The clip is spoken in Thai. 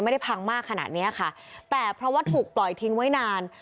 ไม่ได้พังมากขนาดเนี้ยค่ะแต่เพราะว่าถูกปล่อยทิ้งไว้นาน